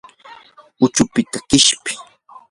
huchupita qishpi.